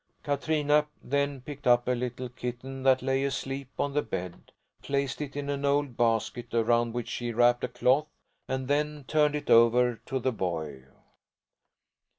Katrina then picked up a little kitten that lay asleep on the bed, placed it in an old basket around which she wrapped a cloth, and then turned it over to the boy.